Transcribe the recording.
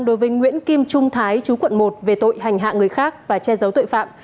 đối với nguyễn kim trung thái chú quận một về tội hành hạ người khác và che giấu tội phạm